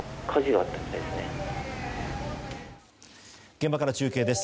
現場から中継です。